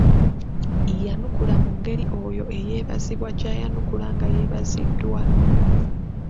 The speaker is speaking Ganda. Yanukula mu ngeri oyo eyeebazibwa gyayanukula nga yeebaziddwa.